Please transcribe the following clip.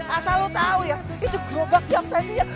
eh asal lu tau ya itu gerobak si aksaninya